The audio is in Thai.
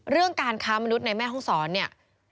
เรื่องการค้ามนุษย์ในแม่ห้องศรเนี่ย